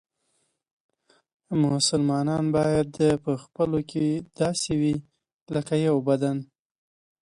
مسلمانان باید په خپلو کې باید داسې وي لکه یو بدن.